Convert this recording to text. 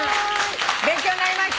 勉強になりました。